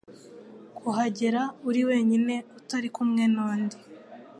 kuhagera uri wenyine utari kumwe nundi